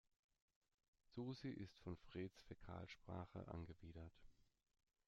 Susi ist von Freds Fäkalsprache angewidert.